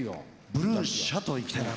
「ブルー・シャトウ」いきたいなと。